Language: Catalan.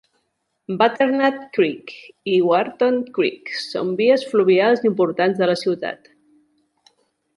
Butternut Creek i Wharton Creek són vies fluvials importants de la ciutat.